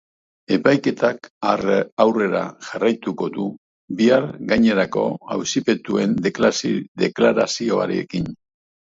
Epaiketak aurrera jarraituko du bihar gainerako auzipetuen deklarazioarekin.